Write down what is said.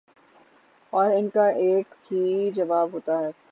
اور ان کا ایک ہی جواب ہوتا ہے